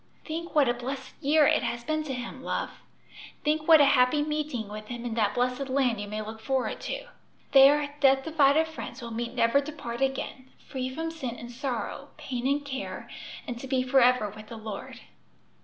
"Think what a blessed year it has been to him, love; think what a happy meeting with him in that blessed land you may look forward to. There, death divided friends will meet never to part again, free from sin and sorrow, pain and care, and to be 'forever with the Lord.'